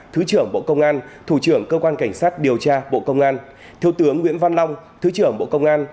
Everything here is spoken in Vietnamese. thứ trưởng bộ công an thủ trưởng cơ quan cảnh sát điều tra bộ công an thiếu tướng nguyễn văn long thứ trưởng bộ công an